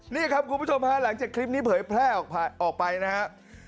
นี่ครับคุณผู้ชมฮะหลังจากคลิปนี้เผยแพร่ออกไปนะครับ